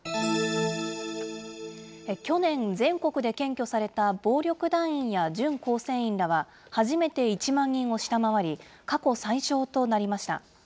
去年、全国で検挙された暴力団員や準構成員らは、初めて１万人を下回り、過去最少となりました。